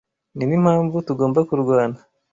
Ninimpamvu tugomba kurwana.